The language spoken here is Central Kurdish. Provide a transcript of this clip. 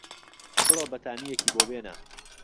بڕۆ بەتانییەکی بۆ بێنە.